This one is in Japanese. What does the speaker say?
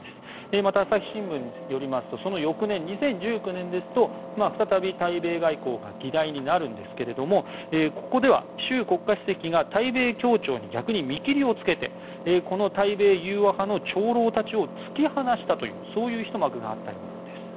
また、朝日新聞によりますとその翌年、２０１９年ですと再び対米外交が議題になるんですがここでは習国家主席が対米協調に逆に見切りをつけて対米融和派の長老たちを突き放したというそういうひと幕があったようなんです。